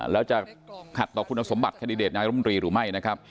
แล้วจะขัดต่อคุณสมบัติคันดิเดตนายรมรีหรือไม่นะครับ